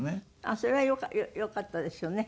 あっそれはよかったですよね。